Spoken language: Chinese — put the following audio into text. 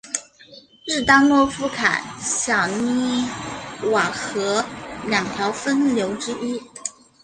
日当诺夫卡小涅瓦河两条分流之一。